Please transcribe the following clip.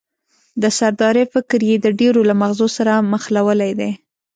د سردارۍ فکر یې د ډېرو له مغزو سره مښلولی دی.